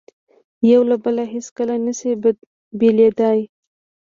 یو له بله هیڅکله نه شي بېلېدای.